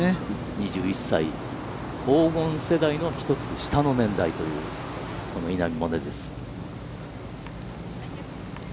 ２１歳、黄金世代の１つ下の年代というこの稲見萌寧です。